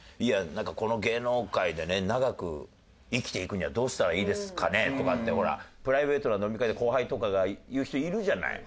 この芸能界でね長く生きていくにはどうしたらいいですかね？とかってほらプライベートな飲み会で後輩とかが言う人いるじゃない。